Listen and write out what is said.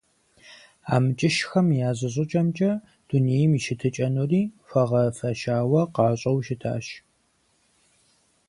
АмкӀыщхэм я зыщӀыкӀэмкӀэ, дунейм и щытыкӀэнури хуэгъэфэщауэ къащӀэу щытащ.